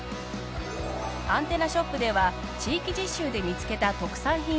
アンテナショップでは地域実習で見つけた特産品を販売。